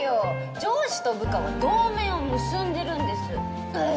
上司と部下は同盟を結んでるんですああ